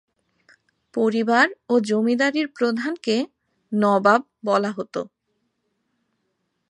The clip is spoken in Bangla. পরিবার ও জমিদারির প্রধানকে "নবাব" বলা হতো।